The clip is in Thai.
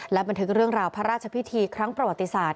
บันทึกเรื่องราวพระราชพิธีครั้งประวัติศาสต